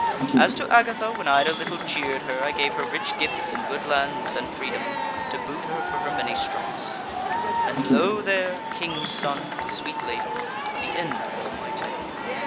As to Agatha, when I had a little jeered her, I gave her rich gifts and good lands, and freedom, to boot her for her many stripes. And lo there, King's Son and Sweet Lady, the end of all my tale."